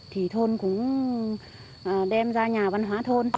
thì thôn cũng đem ra nhà văn hóa thôn